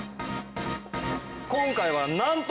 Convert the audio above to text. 今回はなんと。